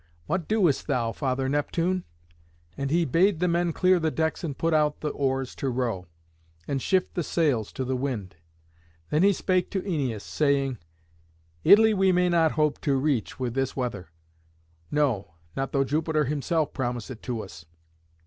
What doest thou, Father Neptune?" And he bade the men clear the decks and put out the oars to row, and shift the sails to the wind. Then he spake to Æneas, saying, "Italy we may not hope to reach with this weather. No, not though Jupiter himself promise it to us.